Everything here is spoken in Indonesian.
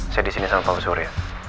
saya di sini selama panggung sore